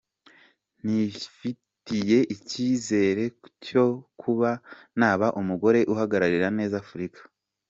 Nifitiye icyizere cyo kuba naba umugore uhagararira neza Afurika.